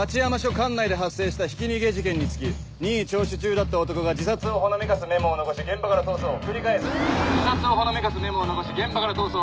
管内で発生したひき逃げ事件につき任意聴取中だった男が自殺をほのめかすメモを残し現場から逃走繰り返す自殺をほのめかすメモを残し現場から逃走。